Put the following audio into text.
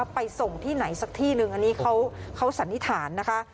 ไปส่งที่ไหนสักที่หนึ่งอันนี้เขาสันนิษฐานนะคะ